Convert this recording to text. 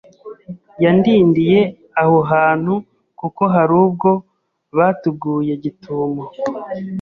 yandindiye aho hantu kuko harubwo batuguye gitumo